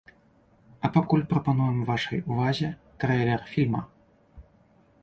А пакуль прапануем вашай увазе трэйлер фільма.